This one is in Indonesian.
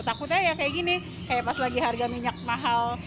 takutnya ya kayak gini kayak pas lagi harga minyak mahal